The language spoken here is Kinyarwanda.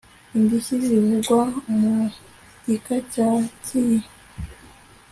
Indishyi zivugwa mu gika cya cy iyi